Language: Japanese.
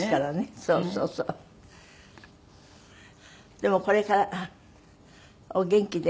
でもこれからお元気で。